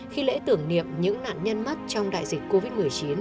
khi lễ tưởng niệm những nạn nhân mất trong đại dịch covid một mươi chín